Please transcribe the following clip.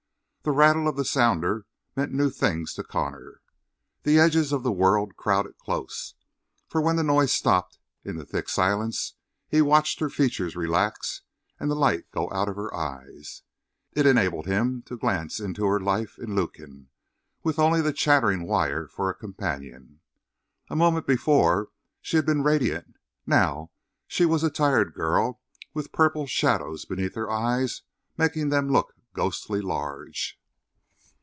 The rattle of the sounder meant new things to Connor; the edges of the world crowded close, for when the noise stopped, in the thick silence he watched her features relax and the light go out of her eyes. It enabled him to glance into her life in Lukin, with only the chattering wire for a companion. A moment before she had been radiant now she was a tired girl with purple shadows beneath her eyes making them look ghostly large.